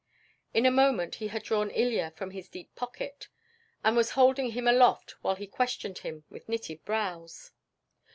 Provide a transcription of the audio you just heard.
In a moment he had drawn Ilya from his deep pocket and was holding him aloft while he questioned him with knitted brows.